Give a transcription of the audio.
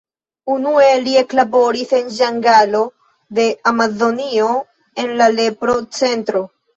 Unue li eklaboris en ĝangalo de Amazonio en la lepro-centro.